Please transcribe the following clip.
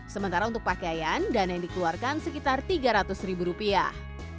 sementara untuk pakaian dana yang dikeluarkan sekitar tiga ratus ribu rupiah